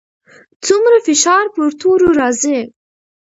څومره فشار پر تورو راځي؟